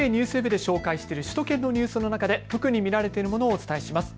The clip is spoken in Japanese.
ＮＨＫＮＥＷＳＷＥＢで紹介している首都圏のニュースの中で特に見られているものをお伝えします。